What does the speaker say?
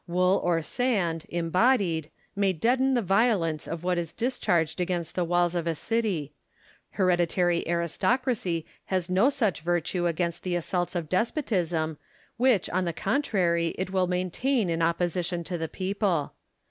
Wool or sand, embodied, may deaden the violence of what is discharged against the walls of a city : hereditary aristocracy hath no such virtue against tlie assaults of despotism, which on the contrary it will maintain in opposition to the people.